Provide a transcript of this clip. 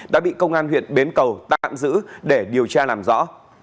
đã bị công an huyện bến cầu tạm giữ để điều tra làm rõ